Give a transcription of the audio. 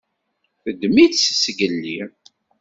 Teddem-itt zgelli.